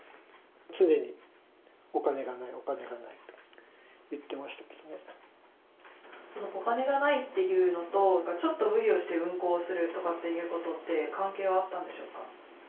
常にお金がない、そのお金がないっていうのと、ちょっと無理をして運航するとかっていうことって、関係はあったんでしょうか。